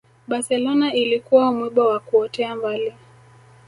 barcelona ilikuwa mwiba wa kuotea mbali